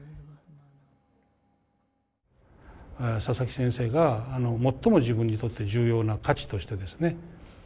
佐々木先生が最も自分にとって重要な価値としてですね